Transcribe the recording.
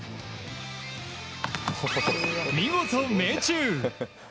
見事、命中！